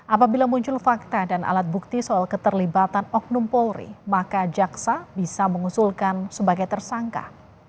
apabila muncul fakta dan alat bukti soal keterlibatan oknum polri maka jaksa bisa mengusulkan sebagai tersangka